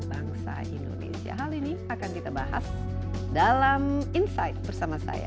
bangsa indonesia hal ini akan kita bahas dalam insight bersama saya di si anwar